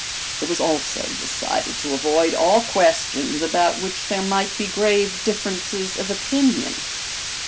It was also decided to avoid all questions about which there might be grave differences of opinion.